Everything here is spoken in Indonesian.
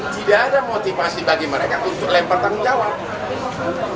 tidak ada motivasi bagi mereka untuk lempar tanggung jawab